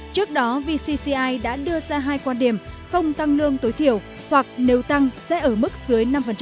trước đó vcci đã đưa ra hai quan điểm không tăng lương tối thiểu hoặc nếu tăng sẽ ở mức dưới năm